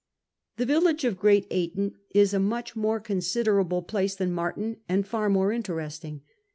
The village of Great Ayton is a much more consider able place than Marton, and far more interesting.